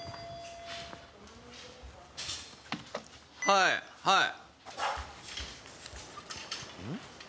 ・はいはい。